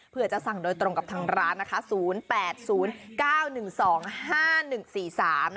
เผื่อจะสั่งโดยตรงกับทางร้าน